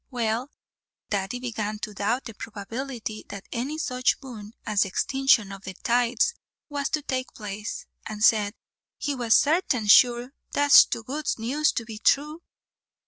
Well, Daddy began to doubt the probability that any such boon as the extinction of tithes was to take place, and said, he was "sartin sure 'twas too good news to be thrue."